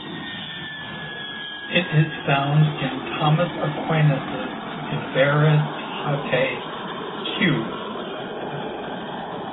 It is found in Thomas Aquinas's De veritate, q.